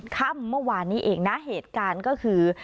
ค่ำเมื่อวานนี้เองนะเหตุการณ์ก็คือ